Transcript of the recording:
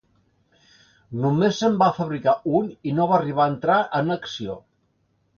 Només se'n va fabricar un i no va arribar a entrar en acció.